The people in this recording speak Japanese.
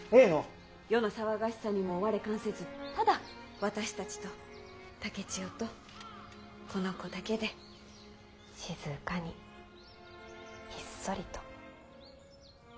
世の騒がしさにも我関せずただ私たちと竹千代とこの子だけで静かにひっそりと。